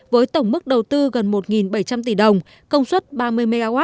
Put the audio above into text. với tổng mức đầu tư gần một bảy trăm linh tỷ đồng công suất ba mươi mw